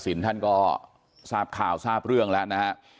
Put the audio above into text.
ท่านก็ทราบข่าวทราบเรื่องแล้วนะฮะ